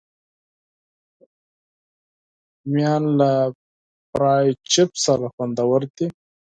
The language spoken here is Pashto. رومیان له فرای چپس سره خوندور دي